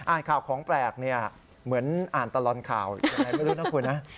อ่านข่าวของแปลกเหมือนอ่านตลอนข่าวอย่างไรไม่รู้นะคุณฮะ